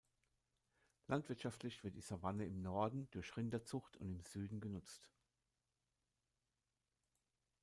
Landwirtschaftlich wird die Savanne im Norden durch Rinderzucht und im Süden genutzt.